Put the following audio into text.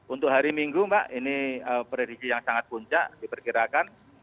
untuk hari minggu mbak ini prediksi yang sangat puncak diperkirakan